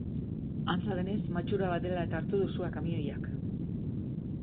Antza denez, matxura bat dela eta hartu du sua kamioiak.